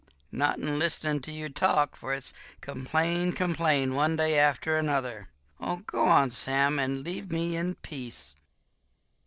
Not in listenin' to you talk, for it's complain, complain, one day after another. Oh, go on, Sam, and leave me in peace."